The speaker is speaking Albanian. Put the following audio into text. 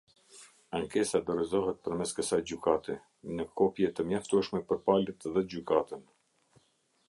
Ankesa dorëzohet përmes kësaj Gjykate, nё kopje tё mjaftueshme pёr palët dhe gjykatën.